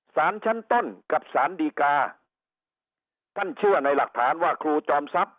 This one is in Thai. สารชั้นต้นกับสารดีกาท่านเชื่อในหลักฐานว่าครูจอมทรัพย